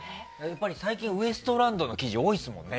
最近、ウエストランドの記事多いですもんね。